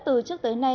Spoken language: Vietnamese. từ trước tới nay